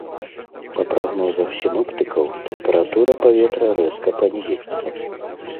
Па прагнозах сіноптыкаў, тэмпература паветра рэзка панізіцца.